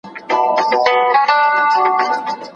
لارښود د محصل هڅې ستايي.